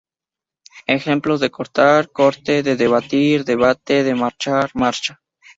Ejemplos: de "cortar", "corte"; de "debatir", "debate"; de "marchar", "marcha".